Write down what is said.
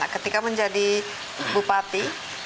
ketika menjadi bupati